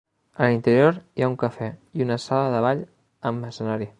A l'interior hi ha un cafè i una sala de ball amb escenari.